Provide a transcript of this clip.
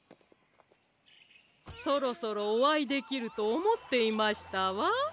そろそろおあいできるとおもっていましたわ。